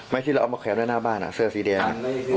ไม่ที่เราเอามาแขวนด้านหน้าบ้านอ่ะเสื้อสีแดง